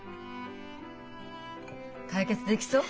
解決できそう？